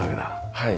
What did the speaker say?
はい。